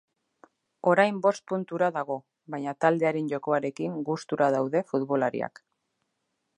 Orain bost puntura dago, baina taldearen jokoarekin gustura daude futbolariak.